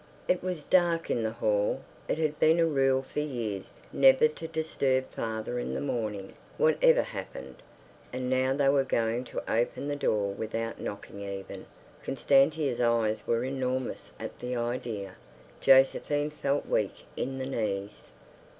It was dark in the hall. It had been a rule for years never to disturb father in the morning, whatever happened. And now they were going to open the door without knocking even.... Constantia's eyes were enormous at the idea; Josephine felt weak in the knees.